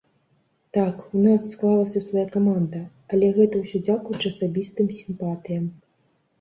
Так, у нас склалася свая каманда, але гэта ўсё дзякуючы асабістым сімпатыям.